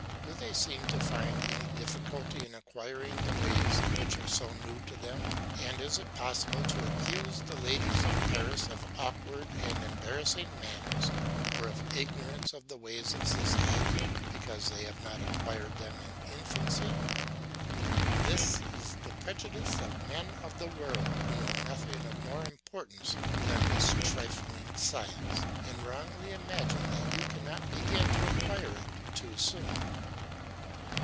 Do they seem to find any difficulty in acquiring the ways which are so new to them, and is it possible to accuse the ladies of Paris of awkward and embarrassed manners or of ignorance of the ways of society, because they have not acquired them in infancy! This is the prejudice of men of the world, who know nothing of more importance than this trifling science, and wrongly imagine that you cannot begin to acquire it too soon.